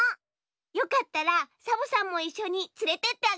よかったらサボさんもいっしょにつれてってあげてね！